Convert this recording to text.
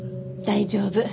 大丈夫。